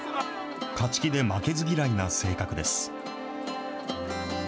勝ち気で負けず嫌いな性格です。